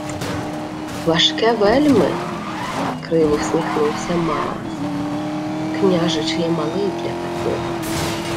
— Важке вельми? — криво всміхнувся Маас. — Княжич є малий для такого.